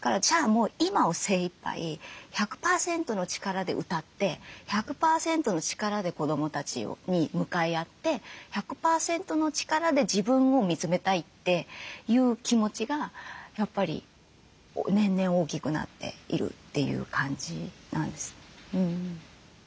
もう今を精いっぱい１００％の力で歌って１００％の力で子どもたちに向かい合って１００％の力で自分を見つめたいっていう気持ちがやっぱり年々大きくなっているという感じなんです。